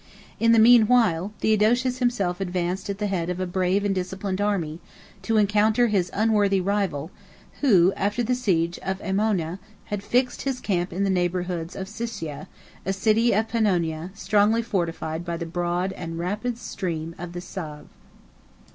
In the mean while, Theodosius himself advanced at the head of a brave and disciplined army, to encounter his unworthy rival, who, after the siege of Aemona, 7511 had fixed his camp in the neighborhood of Siscia, a city of Pannonia, strongly fortified by the broad and rapid stream of the Save.